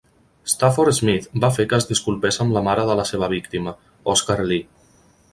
Stafford Smith va fer que es disculpés amb la mare de la seva víctima, Oscar Lee.